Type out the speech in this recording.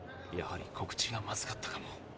やはり告知がまずかったかも。